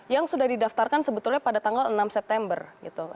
yang sudah didaftarkan sebetulnya pada tanggal enam september gitu